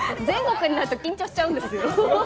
全国になると緊張しちゃうんですよ。